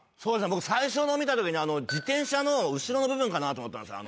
僕最初の見た時に自転車の後ろの部分かなと思ったんですよ